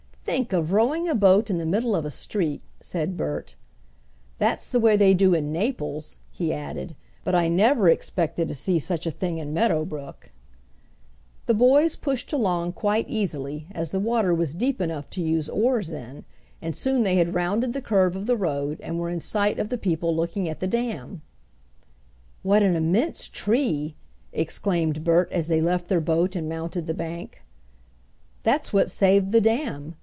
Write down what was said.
"Think of rowing a boat in the middle of a street," said Bert. "That's the way they do in Naples," he added, "but I never expected to see such a thing in Meadow Brook." The boys pushed along quite easily, as the water was deep enough to use oars in, and soon they had rounded the curve of the road and were in sight of the people looking at the dam. "What an immense tree!" exclaimed Bert, as they left their boat and mounted the bank. "That's what saved the dam!"